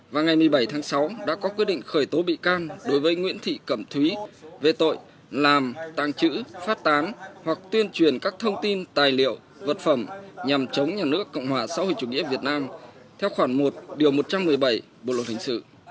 và ngày một mươi bảy tháng sáu đã có quyết định khởi tố bị can đối với nguyễn thị cẩm thúy về tội làm tàng trữ phát tán hoặc tuyên truyền các thông tin tài liệu vật phẩm nhằm chống nhà nước cộng hòa sau hình chủ nghĩa việt nam theo khoản một điều một trăm một mươi bảy bộ luật hình sự